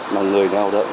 mà người nào động